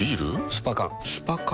スパ缶スパ缶？